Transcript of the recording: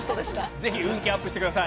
ぜひ運気アップしてください。